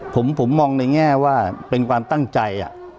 ผมมองในแง่ว่าเป็นความตั้งใจ